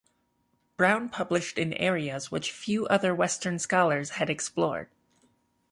Browne published in areas which few other Western scholars had explored.